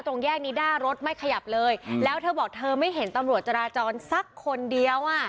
ตรงแยกนี้หน้ารถไม่ขยับเลยแล้วเธอบอกเธอไม่เห็นตำรวจจราจรสักคนเดียวอ่ะ